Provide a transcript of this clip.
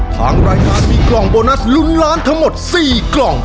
ทางรายการมีกล่องโบนัสลุ้นล้านทั้งหมด๔กล่อง